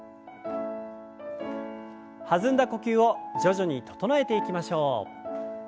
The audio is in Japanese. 弾んだ呼吸を徐々に整えていきましょう。